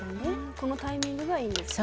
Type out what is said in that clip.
このタイミングがいいんですね。